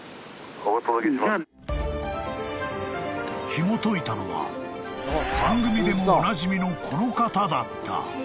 ［ひもといたのは番組でもおなじみのこの方だった］